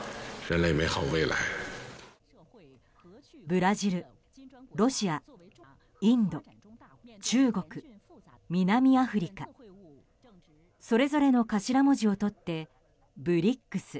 ブラジル、ロシア、インド中国、南アフリカそれぞれの頭文字を取ってＢＲＩＣＳ。